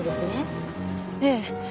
ええ。